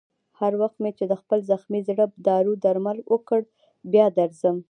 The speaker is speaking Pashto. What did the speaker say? هر وخت مې چې د خپل زخمي زړه دارو درمل وکړ، بیا درځم.